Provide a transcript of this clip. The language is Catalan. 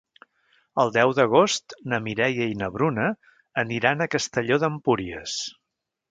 El deu d'agost na Mireia i na Bruna aniran a Castelló d'Empúries.